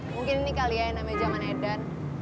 mungkin ini kali ya yang namanya zaman edan